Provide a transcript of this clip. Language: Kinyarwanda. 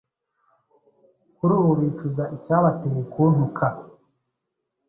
Kurubu bicuza icya bateye kuntuka